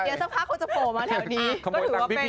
เดี๋ยวสักพักก็จะโป่มาแถวนี้